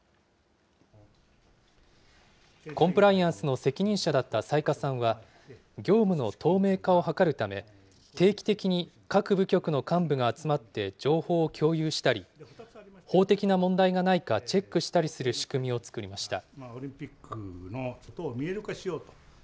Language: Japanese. コンプライアンスの責任者だった雑賀さんは、業務の透明化を図るため、定期的に各部局の幹部が集まって情報を共有したり、法的な問題がないかチェックしたりする仕組みを作りました。